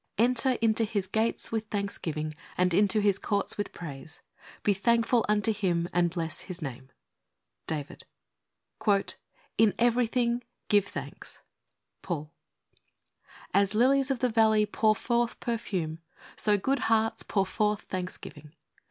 Enter into His gates with thanksgivings and into His courts with praise. Be thankful unto and bless His name .'*— David. "/« everything give thanks ."— Paul. A S lilies of the valley pour forth perfume, so good hearts pour forth thanksgiving.